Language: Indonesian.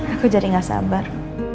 aku jadi gak sabar